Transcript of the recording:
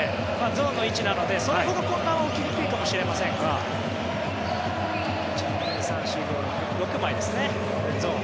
ゾーンの位置なのでそれほど混乱は起きにくいかもしれませんが６枚ですね、ゾーン。